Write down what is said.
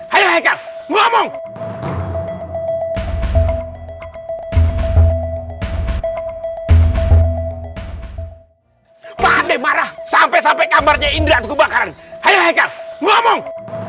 hai hai ngomong paham deh marah sampai sampai kamarnya indra kebakaran hai ngomong